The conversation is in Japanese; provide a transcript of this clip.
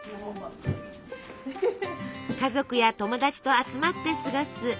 家族や友達と集まって過ごす